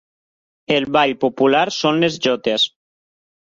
El ball popular són les jotes.